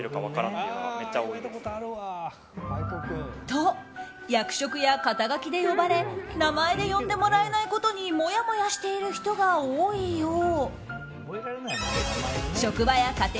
と、役職や肩書で呼ばれ名前で呼んでもらえないことにもやもやしている人が多いよう。